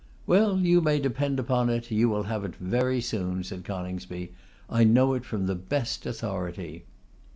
'Well, you may depend upon it you will have it very soon,' said Coningsby. 'I know it from the best authority.